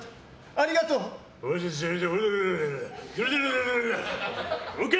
ありがとう。ＯＫ！